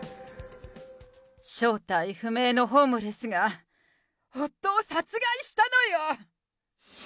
正体不明のホームレスが夫を殺害したのよ。